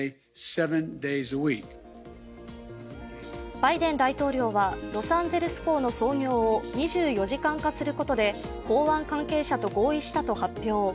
バイデン大統領はロサンゼルス港の操業を２４時間化することで港湾関係者と合意したと発表。